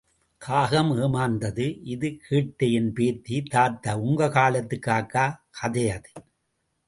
காகம் ஏமாந்தது— இது கேட்ட என் பேத்தி— தாத்தா—உங்க காலத்து காக்கா கதை அது.